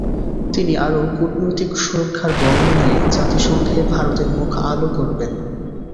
তিনি আরও কূটনৈতিক সুরক্ষার বর্ম নিয়ে জাতিসংঘে ভারতের মুখ আলো করবেন।